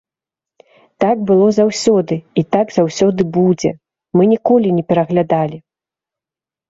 Так было заўсёды і так заўсёды будзе, мы ніколі не пераглядалі.